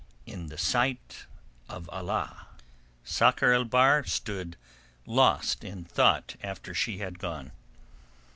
IN THE SIGHT OF ALLAH Sakr el Bahr stood lost in thought after she had gone.